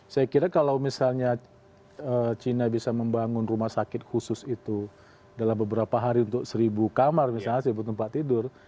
saya kira kalau misalnya china bisa membangun rumah sakit khusus itu dalam beberapa hari untuk seribu kamar misalnya seribu tempat tidur